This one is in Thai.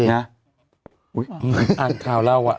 อุ๊ยอ่านข่าวเล่าอ่ะ